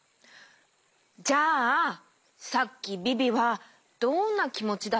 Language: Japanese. じゃあさっきビビはどんなきもちだったとおもう？